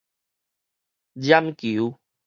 冉求